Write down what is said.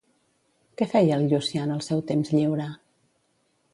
Què feia el Llucià en el seu temps lliure?